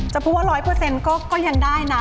พูดว่า๑๐๐ก็ยังได้นะ